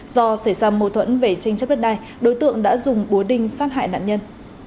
do xảy ra mâu thuẫn về tranh chấp đất đai đối tượng đã dùng búa đinh sát hại nạn nhân